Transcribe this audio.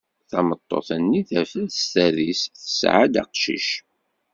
Tameṭṭut-nni terfed s tadist, tesɛa-d aqcic.